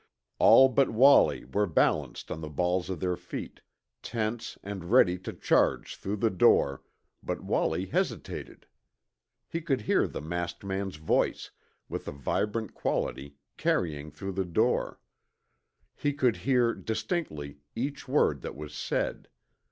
All but Wallie were balanced on the balls of their feet, tense and ready to charge through the door, but Wallie hesitated. He could hear the masked man's voice, with a vibrant quality carrying through the door. He could hear, distinctly, each word that was said.